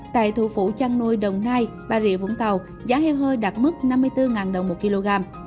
tại thủ phủ trăng nôi đồng nai bà rịa vũng tàu giá heo hơi đạt mức năm mươi bốn đồng mỗi kg